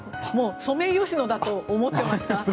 ソメイヨシノだと思ってました。